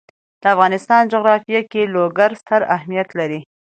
د افغانستان جغرافیه کې لوگر ستر اهمیت لري.